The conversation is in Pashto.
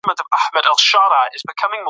د پښتو قبالت د ټینګه اړیکه رامنځته کوي.